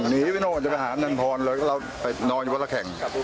หนีไปโน่นจะไปหานางพรแล้วก็เราไปนอนอยู่วันละแข่ง